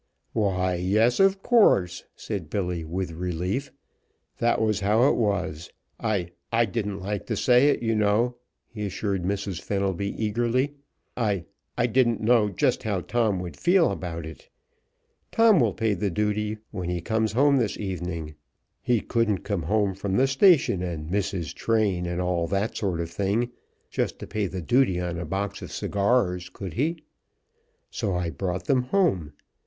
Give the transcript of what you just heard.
"Why, yes, of course," said Billy, with relief. "That was how it was. I I didn't like to say it, you know," he assured Mrs. Fenelby, eagerly, "I I didn't know just how Tom would feel about it. Tom will pay the duty. When he comes home this evening. He couldn't come home from the station and miss his train and all that sort of thing just to pay the duty on a box of cigars, could he? So I brought them home.